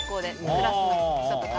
クラスの人とか。